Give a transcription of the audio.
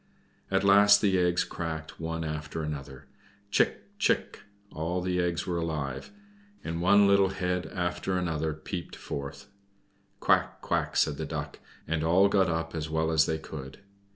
At last the eggs cracked one after another, "Chick, chick!" All the eggs were alive, and one little head after another peered forth. "Quack, quack!" said the Duck, and all got up as well as they could.